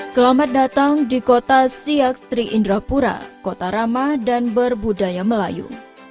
selamat datang di kota siak sri indrapura kota ramah dan berbudaya melayu